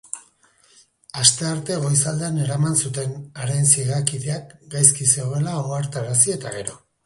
Astearte goizaldean eraman zuten, haren ziegakideak gaizki zegoela ohartarazi eta gero.